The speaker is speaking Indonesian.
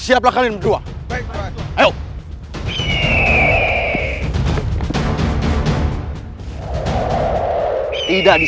saya akan menjaga kebenaran raden